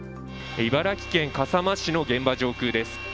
茨城県笠間市の現場上空です。